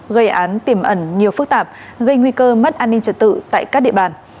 gây án tiềm ẩn nhiều phức tạp gây nguy cơ mất an ninh trật tự tại các địa bàn